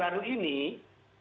kalau dari tangkapan yang baru ini